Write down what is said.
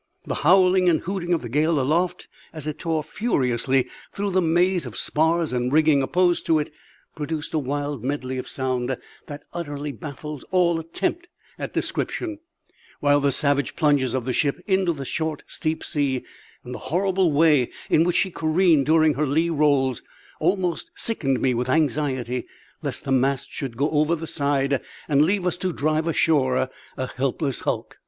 The howling and hooting of the gale aloft, as it tore furiously through the maze of spars and rigging opposed to it, produced a wild medley of sound that utterly baffles all attempt at description; while the savage plunges of the ship into the short, steep sea and the horrible way in which she careened during her lee rolls almost sickened me with anxiety lest the masts should go over the side and leave us to drive ashore, a helpless hulk.